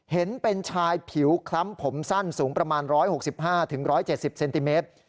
เห็นเป็นชายผิวคล้ำผมสั้นสูงประมาณ๑๖๕๑๗๐เซนติเมตร